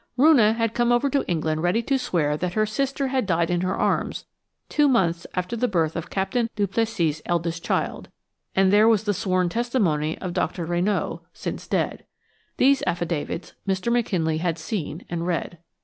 Roonah had come over to England ready to swear that her sister had died in her arms two months after the birth of Captain Duplessis's eldest child, and there was the sworn testimony of Dr. Rénaud, since dead. These affidavits Mr. McKinley had seen and read.